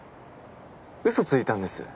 ウソついたんです。